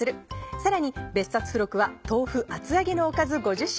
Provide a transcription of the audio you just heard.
さらに別冊付録は豆腐・厚揚げのおかず５０品。